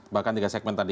bahkan tiga segmen tadi